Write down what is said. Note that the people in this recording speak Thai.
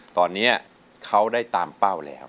ตอนนี้เขาได้ตามเป้าแล้ว